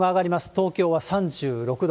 東京は３６度。